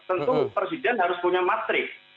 tentu presiden harus punya matrik